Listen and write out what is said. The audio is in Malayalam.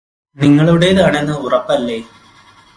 നിങ്ങളുടേതാണെന്ന് ഉറപ്പല്ലേ